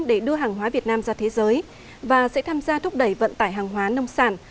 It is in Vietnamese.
để đưa hàng hóa việt nam ra thế giới và sẽ tham gia thúc đẩy vận tải hàng hóa nông sản